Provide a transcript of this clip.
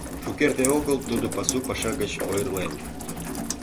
Шукерте огыл тудо пасу паша гыч ойырлен.